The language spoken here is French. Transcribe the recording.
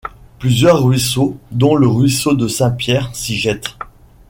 Plusieurs ruisseaux, dont Le ruisseau de Saint-Pierre, s'y jettent.